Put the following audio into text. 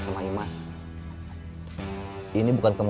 kamu nggak tahu jen algoritm kita